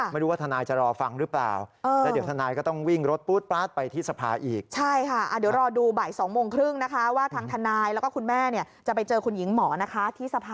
ไม่รู้ว่าทนายจะรอฟังหรือเปล่า